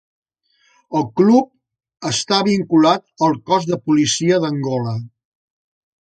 El club està vinculat al cos de policia d'Angola.